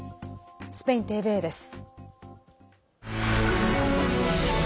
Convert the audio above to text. スペインＴＶＥです。